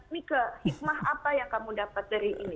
mika hikmah apa yang kamu dapat dari ini